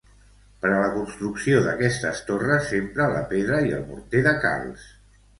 Per a la construcció d'aquestes torres s'empra la pedra i el morter de calç.